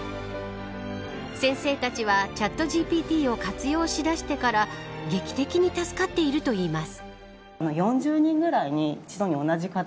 先生たちは、チャットＧＰＴを活用しだしてから劇的に助かっているといいます。